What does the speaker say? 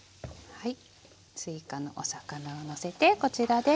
はい。